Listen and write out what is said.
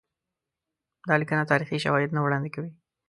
دا لیکنه تاریخي شواهد نه وړاندي کوي.